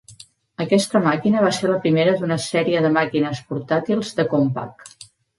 Aquesta màquina va ser la primera d'una sèrie de màquines portàtils de Compaq.